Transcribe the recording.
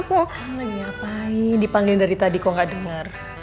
apaan ya dipanggilin dari tadi kok ga denger